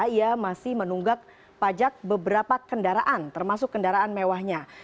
ia masih menunggak pajak beberapa kendaraan termasuk kendaraan mewahnya